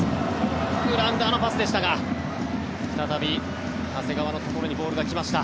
グラウンダーのパスでしたが再び長谷川のところにボールが行きました。